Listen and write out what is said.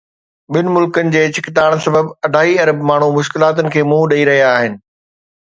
ٻن ملڪن جي ڇڪتاڻ سبب اڍائي ارب ماڻهو مشڪلاتن کي منهن ڏئي رهيا آهن